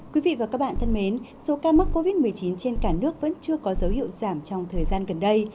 quý vị và các bạn thân mến số ca mắc covid một mươi chín trên cả nước vẫn chưa có dấu hiệu giảm trong thời gian gần đây